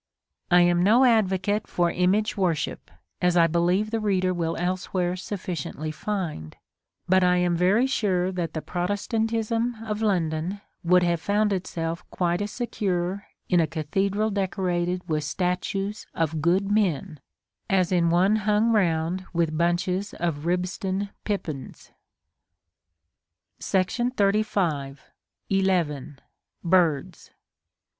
I am no advocate for image worship, as I believe the reader will elsewhere sufficiently find; but I am very sure that the Protestantism of London would have found itself quite as secure in a cathedral decorated with statues of good men, as in one hung round with bunches of ribston pippins. § XXXV. 11. Birds.